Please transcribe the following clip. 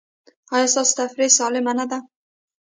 ایا ستاسو تفریح سالمه نه ده؟